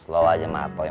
lo aja maaf pak ya